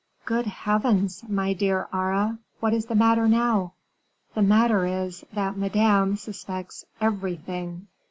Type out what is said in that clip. "Good heavens! my dear Aure, what is the matter now?" "The matter is, that Madame suspects everything."